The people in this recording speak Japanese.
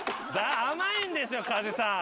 甘いんですよ加地さん！